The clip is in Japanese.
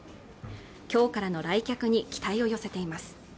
今日からの来客に期待を寄せています